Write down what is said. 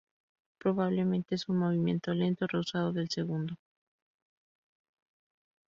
Probablemente es un movimiento lento rehusado del segundo.